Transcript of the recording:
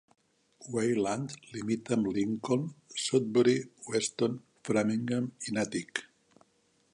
Wayland limita amb Lincoln, Sudbury, Weston, Framingham i Natick.